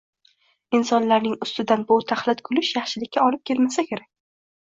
Insonlarning ustidan bu taxlit kulish yaxshilikka olib kelmasa kerak.